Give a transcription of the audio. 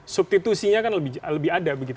substitusinya akan lebih ada